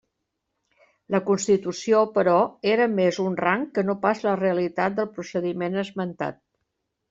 La constitució, però, era més un rang que no pas la realitat del procediment esmentat.